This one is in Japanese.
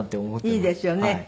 いいですよね。